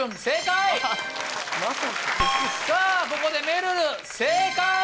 正解。